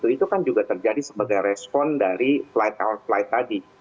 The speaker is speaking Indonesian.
itu kan juga terjadi sebagai respon dari flight out flight tadi